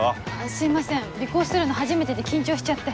すいません尾行するの初めてで緊張しちゃって。